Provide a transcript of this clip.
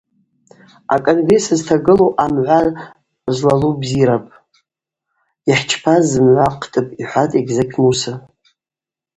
А-Конгресс зтагылу амгӏва злалу бзирапӏ, йхӏчпауа зымгӏва хътӏыпӏ, – йхӏватӏ Эгьзакь Мусса.